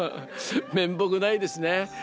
面目ないですね。